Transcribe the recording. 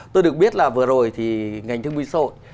tôi được biết là vừa rồi thì ngành thương minh xã hội